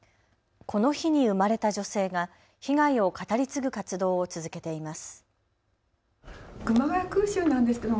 この日に生まれた女性が被害を語り継ぐ活動を続けています。